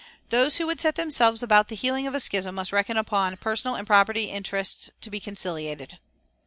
Those who would set themselves about the healing of a schism must reckon upon personal and property interests to be conciliated.